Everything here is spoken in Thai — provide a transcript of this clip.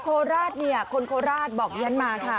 โคลาสเนี่ยคนโคลาสบอกเลี้ยนมาค่ะ